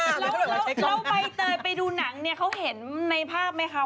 แล้วใบเตยไปดูหนังเนี่ยเขาเห็นในภาพไหมคะ